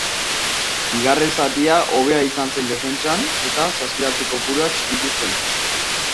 Bigarren zatia hobea izan zen defentsan, eta saskiratze kopurua txikitu zen.